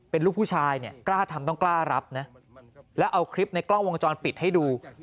เป็นลูกผู้ชายเนี่ยกล้าทำต้องกล้ารับนะแล้วเอาคลิปในกล้องวงจรปิดให้ดู